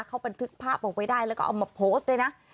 เขาบันทึกภาพเอาไว้ได้แล้วก็เอามาโพสต์ด้วยนะ